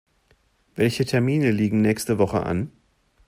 Welche Termine liegen nächste Woche an?